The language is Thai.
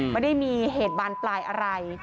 ไม่ได้มีเหตุบานปลายอะไร